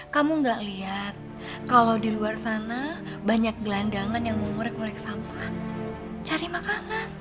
kamu gak lihat kalau di luar sana banyak gelandangan yang mau nrek ngorek sampah cari makanan